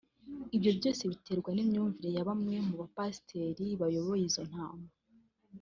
Ibyo byose biterwa n’imyumvire ya bamwe mu bapasiteri bayoboye izo ntama